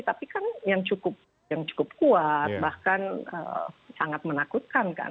tapi kan yang cukup kuat bahkan sangat menakutkan kan